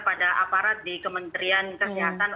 pada aparat di kementerian kesehatan